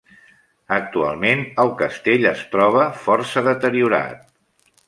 Actualment, el castell es troba força deteriorat.